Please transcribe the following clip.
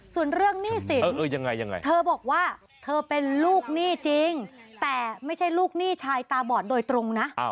ส่วนเรื่องหนี้สินยังไงเธอบอกว่าเธอเป็นลูกหนี้จริงแต่ไม่ใช่ลูกหนี้ชายตาบอดโดยตรงนะ